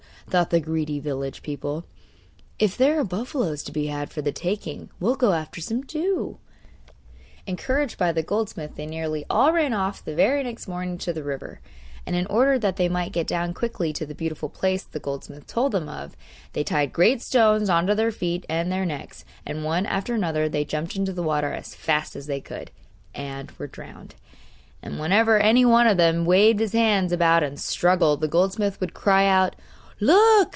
thought the greedy village people; 'if there are buffaloes to be had for the taking we'll go after some too.' Encouraged by the goldsmith they nearly all ran off the very next morning to the river; and, in order that they might get down quickly to the beautiful place the goldsmith told them of, they tied great stones on to their feet and their necks, and one after another they jumped into the water as fast as the could, and were drowned. And whenever any one of them waved his hands about and struggled the goldsmith would cry out: 'Look!